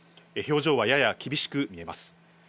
表情はやや厳しく見えます。